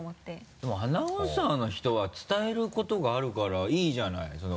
でもアナウンサーの人は伝えることがあるからいいじゃない。